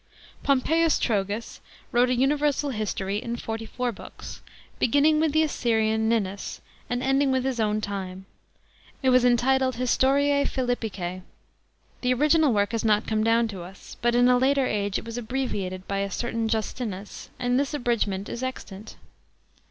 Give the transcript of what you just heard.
POMPBIUS TROGUS wrote a universal history hi forty four books, beginning with the Assyrian Nintis, and ending with his own time. It was entitled Historic Philippics. The original work has not come down to us, but in a later age it was abbreviated by a certain Justinus, and this abridgment is extant.